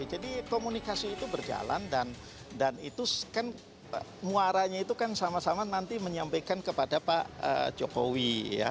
jadi komunikasi itu berjalan dan itu kan muaranya itu kan sama sama nanti menyampaikan kepada pak jokowi